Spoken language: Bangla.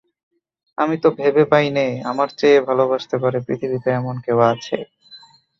আমি তো ভেবে পাই নে, আমার চেয়ে ভালোবাসতে পারে পৃথিবীতে এমন কেউ আছে।